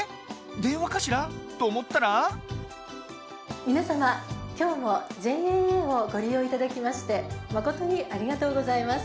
でんわかしらとおもったら「みなさまきょうもＪＡＡをごりよういただきましてまことにありがとうございます」。